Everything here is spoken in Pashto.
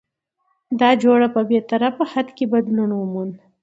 دا جوړه په بې طرفه حد کې بدلون وموند؛